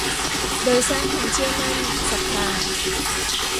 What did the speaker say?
โดยสร้างความเชื่อมั่น ศรัทธา